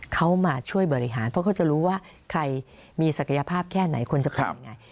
เขามาช่วยบริหารเพราะเขาจะรู้ว่าใครมีศักยภาพแค่ไหนควรจะทำยังไง